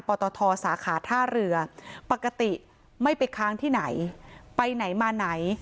ตทสาขาท่าเรือปกติไม่ไปค้างที่ไหนไปไหนมาไหน